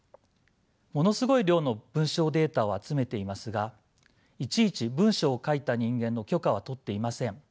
ものすごい量の文章データを集めていますがいちいち文章を書いた人間の許可は取っていません。